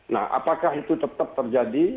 nah apakah itu tetap terjadi